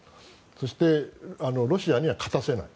そして、ロシアには勝たせない。